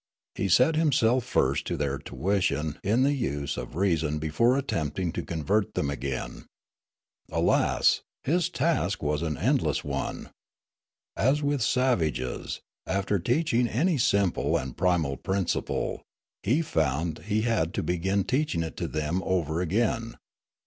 He set himself first to their tuition in the use of reason before attempting to con vert them again. Alas ! his task was an endless one. As with savages, after teaching any simple and primal principle, he found he had to begin teaching it to them over again.